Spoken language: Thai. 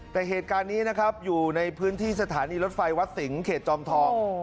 แต่เหตุการณ์นี้นะครับอยู่ในพื้นที่สถานีรถไฟวัดสิงห์เขตจอมทอง